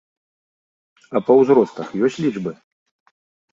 А па ўзростах ёсць лічбы?